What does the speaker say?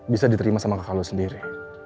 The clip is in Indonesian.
bisa diterima sama kakak lu sendiri